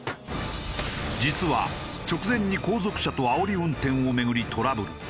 実は直前に後続車とあおり運転を巡りトラブル。